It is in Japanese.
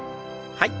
はい。